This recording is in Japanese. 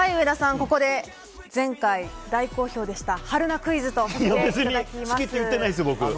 ここで前回大好評でした春奈クイズをさせていただきます。